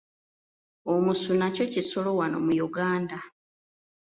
Omusu nakyo kisolo wano mu Uganda.